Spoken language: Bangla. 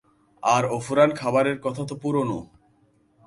আর অফুরান খাবারের কথা তো পুরোনো।